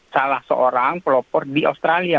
salah seorang pelopor di australia